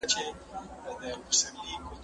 زه مخکي لوبه کړې وه!